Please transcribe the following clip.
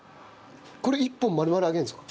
これ１本丸々揚げるんですか？